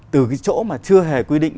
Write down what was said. từ cái chỗ mà chưa hề quy định